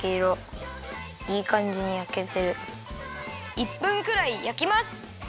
１分くらいやきます。